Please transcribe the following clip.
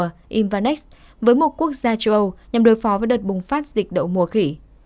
công ty này đã ký hợp đồng cung cấp vaccine đậu mùa với một quốc gia châu âu nhằm đối phó với đợt bùng phát dịch đậu mùa khỉ